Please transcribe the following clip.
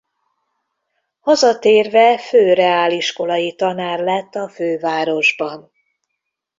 Hazatérve főreáliskolai tanár lett a fővárosban.